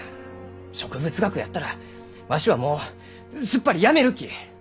植物学やったらわしはもうすっぱりやめるき！